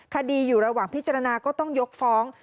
คดีอยู่ระหว่างพิจารณาก็ต้องยกฟ้อง